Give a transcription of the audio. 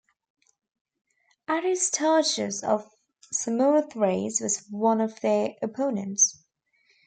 Aristarchus of Samothrace was one of their opponents.